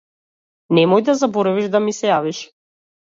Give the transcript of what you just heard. Немој да заборавиш да ми се јавиш.